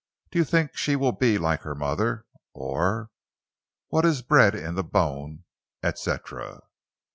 Do you think she will be like her mother?" Or—"What's bred in the bone, et cetera."